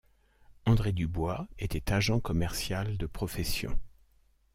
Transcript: André Dubois était agent commercial de profession.